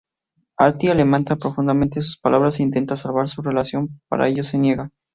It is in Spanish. Artie lamenta profundamente sus palabras e intenta salvar su relación, pero ella se niega.